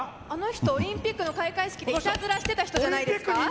あの人オリンピックの開会式でいたずらしてた人じゃないですか？